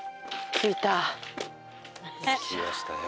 着きましたよ。